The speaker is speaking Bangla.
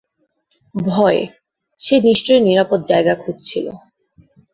ভয়ে, সে নিশ্চয়ই নিরাপদ জায়গা খুঁজছিল।